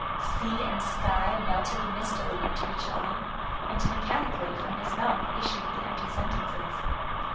Sea and sky melted mist ily into each other, and mechanically from his mouth issued the empty sentences.